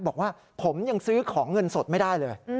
บอกว่าผมยังซื้อของเงินสดไม่ได้เลย